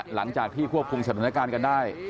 หลังจากที่ควบคุมสถานการณ์กันได้